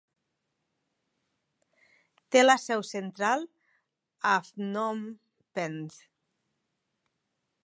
Té la seu central a Phnom Penh.